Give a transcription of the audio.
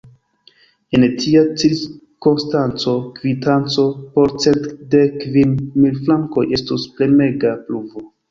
En tia cirkonstanco, kvitanco por cent dek kvin mil frankoj estus premega pruvo.